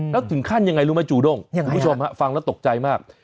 แล้วถึงขั้นยังไงรู้ไหมจูด้งคุณผู้ชมฮะฟังแล้วตกใจมาก